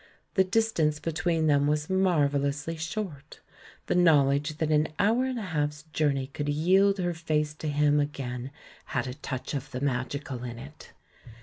The distance between them was marvellously short — the knowledge that an hour and a half's journey could yield her face to him again had a touch of the magical in it.